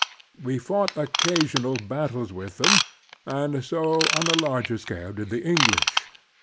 We fought occasional battles with them ; and so, on a larger scale, did the English.